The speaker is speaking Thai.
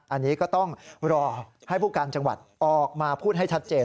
อันนี้ก็ต้องรอให้ผู้การจังหวัดออกมาพูดให้ชัดเจน